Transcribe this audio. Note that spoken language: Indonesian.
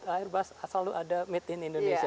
airbus selalu ada made in indonesia